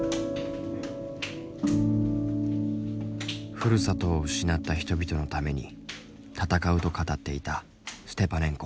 ふるさとを失った人々のために戦うと語っていたステパネンコ。